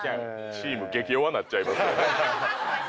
チーム激弱になっちゃいますからね。